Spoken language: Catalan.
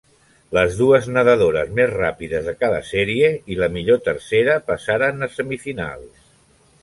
Les dues nedadores més ràpides de cada sèrie i la millor tercera passaren a semifinals.